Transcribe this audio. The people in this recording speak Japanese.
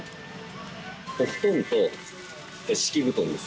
お布団と敷き布団です。